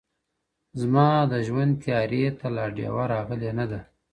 زما د ژوند تيارې ته لا ډېوه راغلې نه ده.